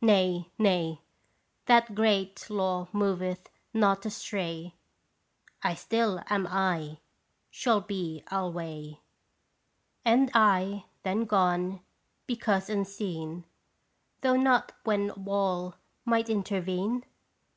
Nay, nay, That great law moveth not astray, I still am /, shall be alway ! And I then gone because unseen, Though not when wall might intervene